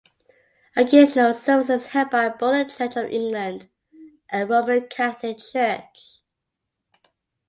Occasional services held by both the Church of England and Roman Catholic Church.